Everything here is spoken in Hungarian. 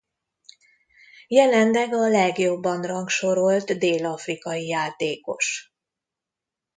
Jelenleg a legjobban rangsorolt dél-afrikai játékos.